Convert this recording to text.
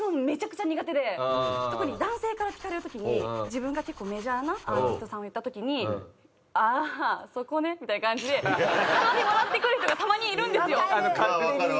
特に男性から聞かれる時に自分が結構メジャーなアーティストさんを言った時に「あぁそこね」みたいな感じで鼻で笑ってくる人がたまにいるんですよ。わかる！